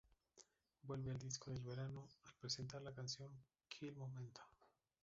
Vuelve al "Disco del verano" al presentar la canción "Quel momento".